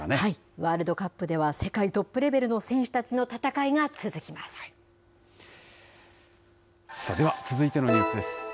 ワールドカップでは世界トップレベルの選手たちの戦いが続きでは、続いてのニュースです。